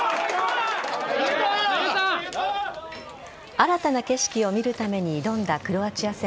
新たな景色を見るために挑んだクロアチア戦。